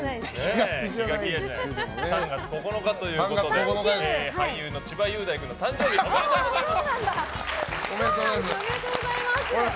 ３月９日ということで俳優の千葉雄大君の誕生日おめでとうございます。